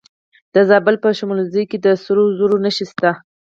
د زابل په شمولزای کې د سرو زرو نښې شته.